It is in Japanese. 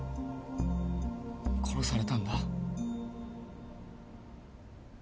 殺されたんだ。